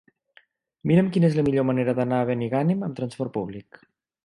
Mira'm quina és la millor manera d'anar a Benigànim amb transport públic.